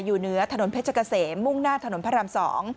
อยู่เหนือถนนเพชรเกษมมุ่งหน้าถนนพระราม๒